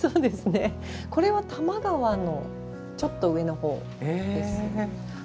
これは多摩川のちょっと上の方ですね。